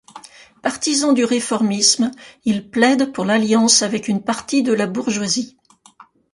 Partisan du réformisme, il plaide pour l'alliance avec une partie de la bourgeoisie.